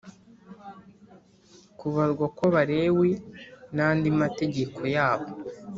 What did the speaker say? Kubarwa kw abalewi n andi mategeko yabo